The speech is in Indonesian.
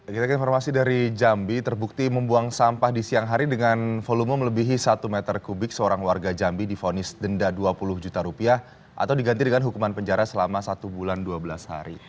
kita ke informasi dari jambi terbukti membuang sampah di siang hari dengan volume melebihi satu meter kubik seorang warga jambi difonis denda dua puluh juta rupiah atau diganti dengan hukuman penjara selama satu bulan dua belas hari